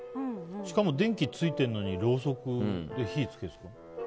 しかも電気ついてるのにろうそくで火をつける？